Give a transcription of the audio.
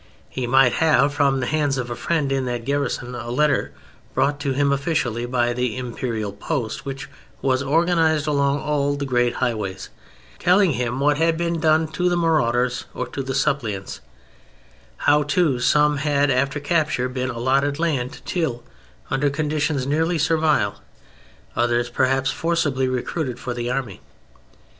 He might have, from the hands of a friend in that garrison, a letter brought to him officially by the imperial post, which was organized along all the great highways, telling him what had been done to the marauders or the suppliants; how, too, some had, after capture, been allotted land to till under conditions nearly servile, others, perhaps, forcibly recruited for the army.